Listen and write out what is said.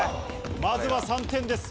まずは３点です。